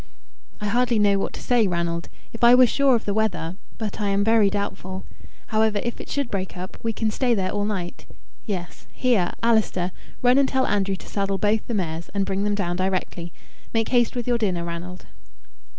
"I hardly know what to say, Ranald. If I were sure of the weather but I am very doubtful. However, if it should break up, we can stay there all night. Yes. Here, Allister; run and tell Andrew to saddle both the mares, and bring them down directly. Make haste with your dinner, Ranald."